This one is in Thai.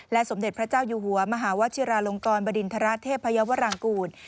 และสมเด็จพระเจ้าอยู่หัวมหาวะชิราลงกรบดินธราชเทพพยวรังกุ่น